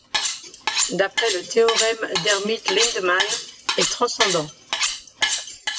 D'après le théorème d'Hermite-Lindemann, est transcendant.